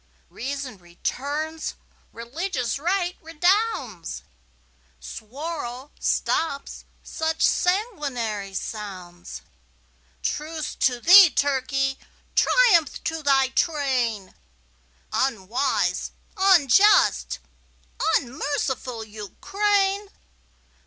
Reason returns, religious right redounds, Suwarrow stops such sanguinary sounds. Truce to thee, Turkey! Triumph to thy train, Unwise, unjust, unmerciful Ukraine!